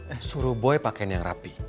eh suruh boy pakai mobil yang rapi